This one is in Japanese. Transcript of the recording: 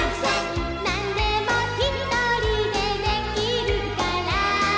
「何でもひとりでできるから」